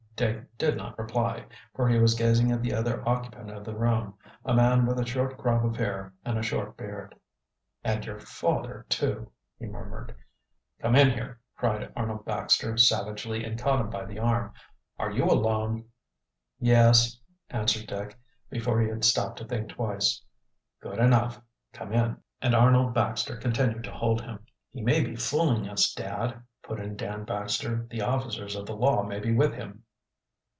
Dick did not reply, for he was gazing at the other occupant of the room, a man with a short crop of hair and a short beard. "And your father, too!" he murmured. "Come in here," cried Arnold Baxter savagely and caught him by the arm. "Are you alone?" "Yes," answered Dick, before he had stopped to think twice. "Good enough. Come in," and Arnold Baxter continued to hold him. "He may be fooling us, dad," put in Dan Baxter. "The officers of the law may be with him."